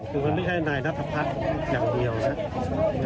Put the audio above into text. คือมันไม่ใช่นายนัทพัฒน์อย่างเดียวนะครับ